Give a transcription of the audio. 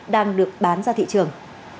đang được bán ra thị trường